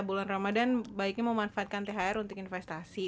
bulan ramadhan baiknya memanfaatkan thr untuk investasi